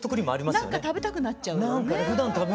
何か食べたくなっちゃうよね。